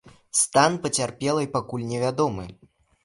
Стан пацярпелай пакуль невядомы.